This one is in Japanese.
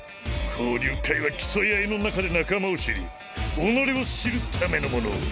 交流会は競い合いの中で仲間を知り己を知るためのもの。